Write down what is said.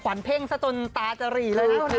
เพ่งซะจนตาจะหรี่เลยนะ